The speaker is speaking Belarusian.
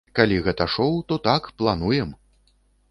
Калі гэта шоў, то так, плануем!